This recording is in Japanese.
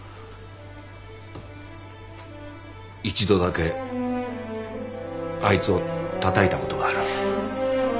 一度だけあいつをたたいたことがある。